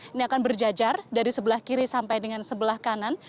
ini akan berjajar dari sebelah kiri sampai dengan sebelah kanan